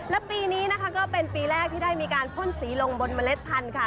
และปีนี้นะคะก็เป็นปีแรกที่ได้มีการพ่นสีลงบนเมล็ดพันธุ์ค่ะ